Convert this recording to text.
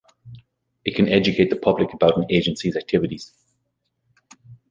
It can educate the public about an agency's activities.